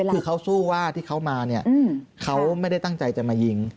คือเขาสู้ว่าที่เขามาเนี่ยเขาไม่ได้ตั้งใจจะมายิง